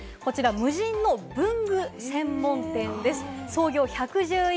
無人の文具専門店です。